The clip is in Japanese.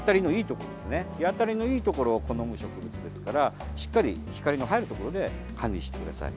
日当たりのいいところを好む植物ですからしっかり光の入るところで管理してください。